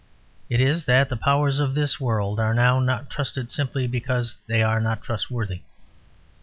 It is that the powers of this world are now not trusted simply because they are not trustworthy.